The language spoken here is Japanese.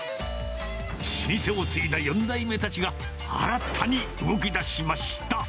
老舗を継いだ４代目たちが、新たに動きだしました。